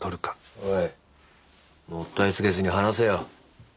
おいもったいつけずに話せよ。